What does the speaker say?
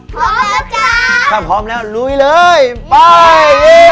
พร้อมแล้วจ้าถ้าพร้อมแล้วลุยเลยไป